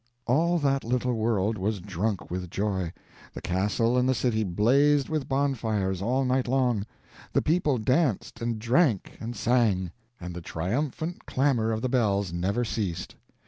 All that little world was drunk with joy. The castle and the city blazed with bonfires all night long, the people danced and drank and sang; and the triumphant clamor of the bells never ceased.